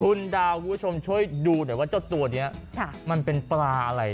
คุณดาวคุณผู้ชมช่วยดูหน่อยว่าเจ้าตัวนี้มันเป็นปลาอะไร